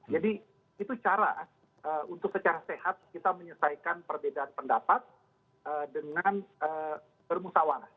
jadi itu cara untuk secara sehat kita menyelesaikan perbedaan pendapat dengan bermusawarah